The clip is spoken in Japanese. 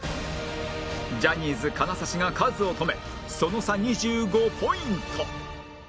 ジャニーズ金指がカズを止めその差２５ポイント